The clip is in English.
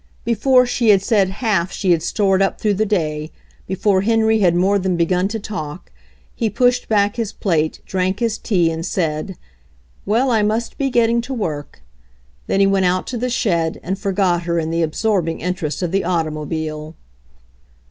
Be STRUGGUNG WITH THE FIRST CAR 85 fore she had said half she had stored up through the day, before Henry had more than begun to talk, he pushed back his plate, drank his tea, and said : "Well, I must be getting to work." Then he went out to the shed and forgot her in the ab sorbing interest of the automobile.